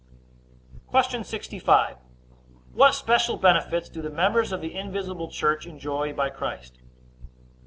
Q. 65. What special benefits do the members of the invisible church enjoy by Christ?